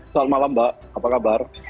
selamat malam mbak apa kabar